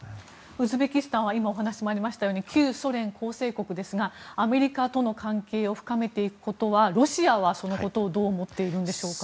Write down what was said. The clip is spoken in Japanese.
ウズベキスタンは今、お話にありましたように旧ソ連構成国ですがアメリカとの関係を深めていくことはロシアはどう思っているんでしょうか。